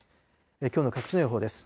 きょうの各地の予報です。